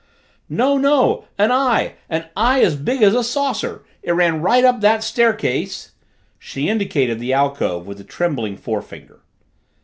"No, no! An eye an eye as big as a saucer! It ran right up that staircase " She indicated the alcove with a trembling forefinger.